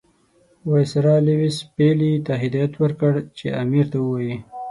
وایسرا لیویس پیلي ته هدایت ورکړ چې امیر ته ووایي.